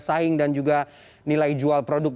saing dan juga nilai jual produk